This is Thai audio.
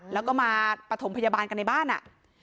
แล้วก็มาปฐมพยาบาลกันในบ้านอ่ะ